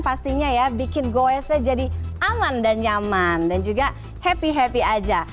pastinya ya bikin goesnya jadi aman dan nyaman dan juga happy happy aja